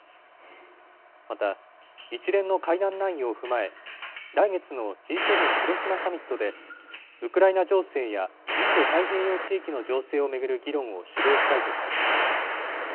また、一連の会談内容を踏まえ、来月のＧ７広島サミットで、ウクライナ情勢やインド太平洋地域の情勢を巡る議論を主導したいとしています。